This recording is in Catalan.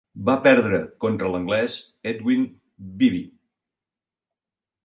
Va perdre contra l'anglès Edwin Bibby.